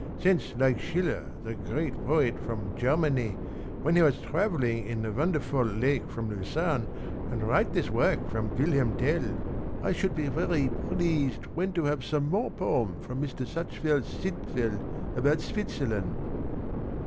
Since like Schiller the great poet from Germany when he was travelling in the wounder\oll Lake from Lucerne and write this work from Wilhelm Tell. I should be very pleased when to have some more po( 'm from ^Ir. Sachvell Sitwell about Switzerland.